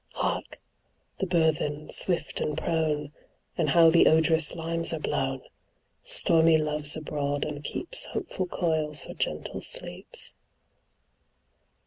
Hark! the burthen, swift and prone! And how the odorous limes are blown! Stormy Love's abroad, and keeps Hopeful coil for gentle sleeps.